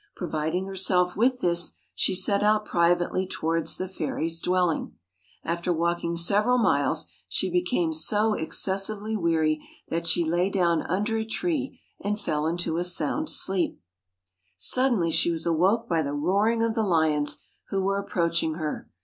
Providing herself with this, she set out privately towards the fairy's dwelling. After walking several miles, she became so excessively weary that she lay down under a tree, and fell into a sound sleep. 99 THE Suddenly she was awoke by the roaring of the Hons, who were approaching her.